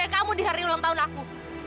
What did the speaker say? kamu di hari ulang tahun aku